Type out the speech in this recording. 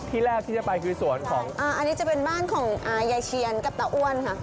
แรกที่จะไปคือสวนของอ่าอันนี้จะเป็นบ้านของยายเชียนกับตาอ้วนค่ะ